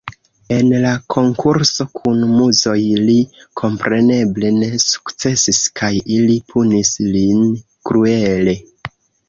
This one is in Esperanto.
En la konkurso kun Muzoj li kompreneble ne sukcesis kaj ili punis lin kruele.